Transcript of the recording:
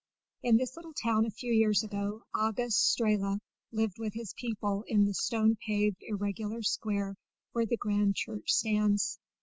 In this little town a few years ago August Strehla lived with his people in the stone paved irregular square where the grand church stands.